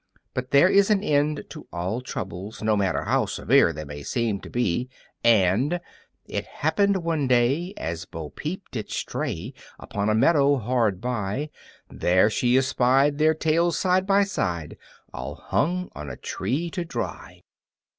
But there is an end to all troubles, no matter how severe they may seem to be, and It happened one day, as Bo Peep did stray Unto a meadow hard by, There she espied their tails side by side, All hung on a tree to dry!